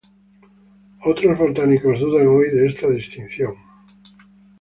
Otros botánicos dudan hoy de esta distinción.